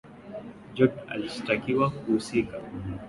jorgic alishitakiwa kuhusika kwenye mauaji ya kimbari